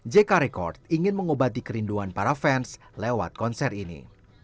jk record ingin mengobati kerinduan para fans lewat konser ini